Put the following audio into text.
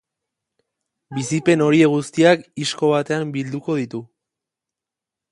Bizipen horiek guztiak isko batean bilduko ditu.